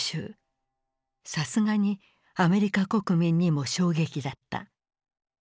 さすがにアメリカ国民にも衝撃だった。